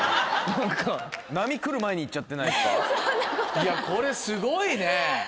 いやこれすごいね。